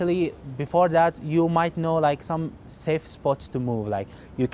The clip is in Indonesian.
dan sebenarnya sebelum itu anda mungkin tahu tempat aman untuk bergerak